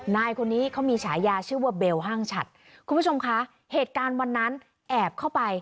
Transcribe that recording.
นายคนนี้เขามีฉายาชื่อว่าเบลห้างฉัดคุณผู้ชมคะเหตุการณ์วันนั้นแอบเข้าไป